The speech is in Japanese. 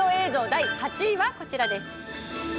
第８位はこちらです。